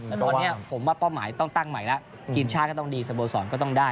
แต่ตอนนี้ผมว่าเป้าหมายต้องตั้งใหม่แล้วทีมชาติก็ต้องดีสโบสรก็ต้องได้